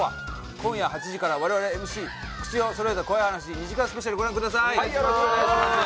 今夜８時から我々がＭＣ「口を揃えた怖い話」２時間スペシャルご覧ください。